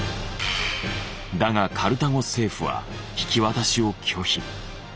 だがカルタゴ政府は引き渡しを拒否。